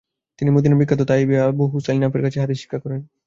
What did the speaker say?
তিনি মদিনার বিখ্যাত তাবেয়ী আবু সুহাইল নাফের কাছে হাদিস শিক্ষা করেন।